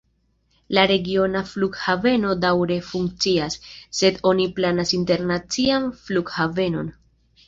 La regiona flughaveno daŭre funkcias, sed oni planas internacian flughavenon.